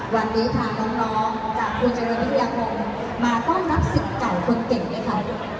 วันนี้ค่ะน้องจากภูเจริญวิทยาลงมาต้องรับสิทธิ์ไก่คนเก่งไว้ค่ะ